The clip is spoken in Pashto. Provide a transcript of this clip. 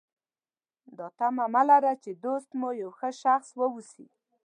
دا تمه مه لرئ چې دوست مو یو ښه شخص واوسي.